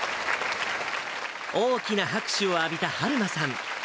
大きな拍手を浴びたはるまさん。